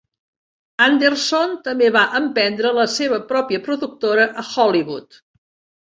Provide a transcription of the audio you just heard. Anderson també va emprendre la seva pròpia productora a Hollywood.